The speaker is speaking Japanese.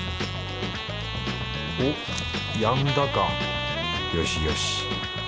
おっやんだかよしよし。